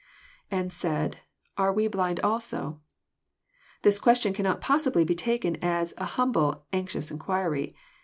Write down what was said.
[And said... Are toe blind also?'] This question cannot possibly be taken as a humble, anxious inquiry.